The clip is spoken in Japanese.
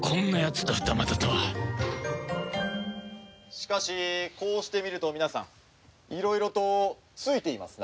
しかしこうして見ると皆さんいろいろと憑いていますな。